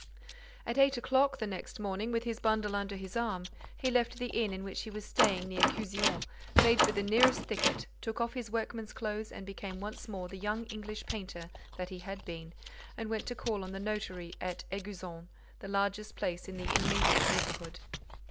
At eight o'clock the next morning, with his bundle under his arm, he left the inn in which he was staying near Cuzion, made for the nearest thicket, took off his workman's clothes, became once more the young English painter that he had been and went to call on the notary at Éguzon, the largest place in the immediate neighborhood.